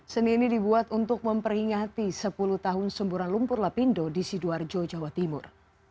seni ini dibuat untuk memperingati sepuluh tahun semburan lumpur lapindo di sidoarjo jawa timur